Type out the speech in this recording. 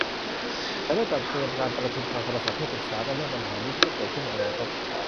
ฉันได้จัดเตรียมการประชุมทางโทรศัพท์เพื่อปรึกษากันเรื่องปัญหานี้ที่จะเกิดในอนาคต